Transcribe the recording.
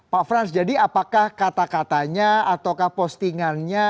pak frans jadi apakah kata katanya ataukah postingannya